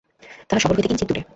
তাহা শহর হইতে কিঞ্চিৎ দূরে।